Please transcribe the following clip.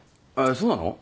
そうなの？